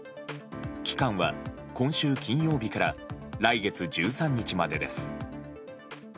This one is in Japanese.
期間は今週金曜日から来月１３日までです。